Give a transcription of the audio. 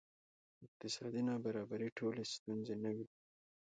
اقتصادي نابرابري ټولې ستونزې نه وه.